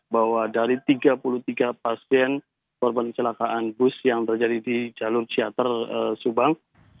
bahwa dari tiga puluh tiga pasien korban kecelakaan bus yang terjadi di jalur ciater subang